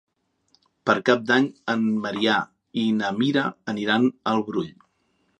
Per Cap d'Any en Maria i na Mira aniran al Brull.